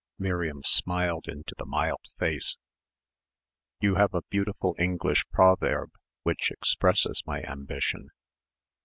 Miriam smiled into the mild face. "You have a beautiful English provairb which expresses my ambition."